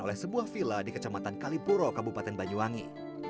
oleh sebuah villa di kecamatan kalipuro kabupaten banyuwangi